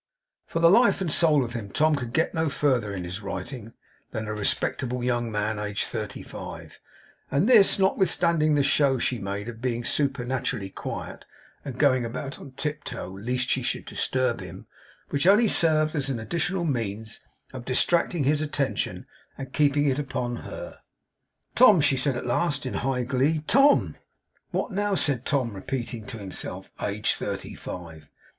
For the life and soul of him, Tom could get no further in his writing than, 'A respectable young man, aged thirty five,' and this, notwithstanding the show she made of being supernaturally quiet, and going about on tiptoe, lest she should disturb him; which only served as an additional means of distracting his attention, and keeping it upon her. 'Tom,' she said at last, in high glee. 'Tom!' 'What now?' said Tom, repeating to himself, 'aged thirty five!